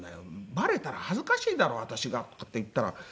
「バレたら恥ずかしいだろ私が」とかって言ったら。